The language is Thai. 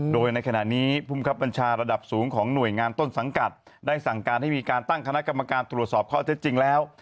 โดยในขณะนี้ภูมิครับบัญชาระดับสูงของหน่วยงานต้นสังกัดได้สั่งการให้มีการตั้งคณะกรรมการตรวจสอบข้อเท็จจริงแล้ว